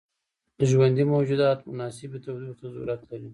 ژوندي موجودات مناسبې تودوخې ته ضرورت لري.